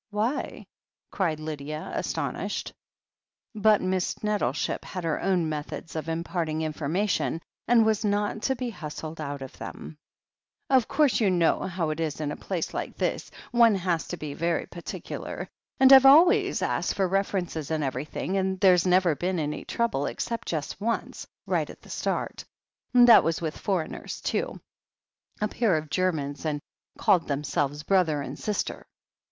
"Why?" cried Lydia, astonished. But Miss Nettleship had her own methods of im parting information, and was not to be hustled out of them. "Of course you know how it is in a place like this — one has to be very particular, and I've always asked for references and everything, and there's never been any trouble except just once, right at the start. That 164 THE HEEL OF ACHILLES was with foreigners, too, a pair of Germans, and called themselves brother and sister.